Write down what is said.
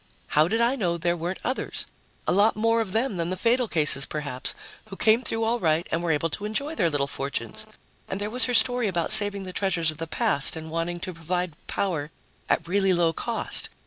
How did I know there weren't others a lot more of them than the fatal cases, perhaps who came through all right and were able to enjoy their little fortunes? And there was her story about saving the treasures of the past and wanting to provide power at really low cost.